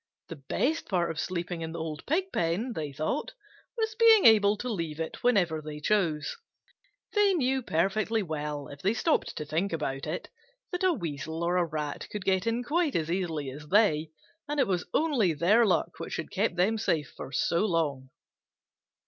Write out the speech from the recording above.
The best part of sleeping in the old Pigpen, they thought, was being able to leave it whenever they chose. They knew perfectly well, if they stopped to think about it, that a Weasel or Rat could get in quite as easily as they, and it was only their luck which had kept them safe so long.